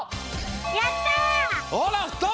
やった！